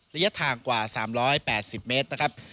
ระยะทางกว่า๓๘๐เมตร